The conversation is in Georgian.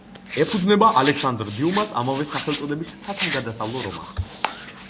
ეფუძნება ალექსანდრ დიუმას ამავე სახელწოდების სათავგადასავლო რომანს.